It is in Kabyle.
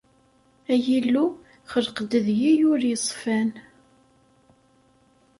Ay Illu, xelq-d deg-i ul yeṣfan.